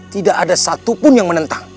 tidak ada satupun yang menentang